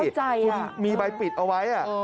เข้าใจอ่ะมีใบปิดเอาไว้อ่ะ